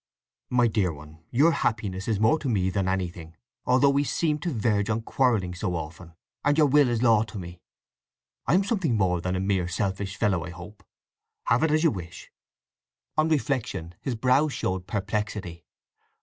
"My dear one, your happiness is more to me than anything—although we seem to verge on quarrelling so often!—and your will is law to me. I am something more than a mere—selfish fellow, I hope. Have it as you wish!" On reflection his brow showed perplexity.